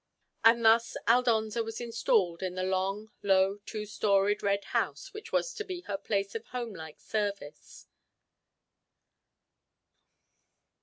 And thus Aldonza was installed in the long, low, two storied red house which was to be her place of home like service.